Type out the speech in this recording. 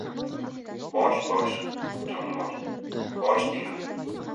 — Bosh-bosh, jonivor, bosh deyman!